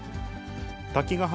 滝ヶ原